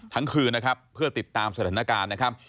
ทั้งคืนนะครับเพื่อติดตามสถานการณ์นะครับ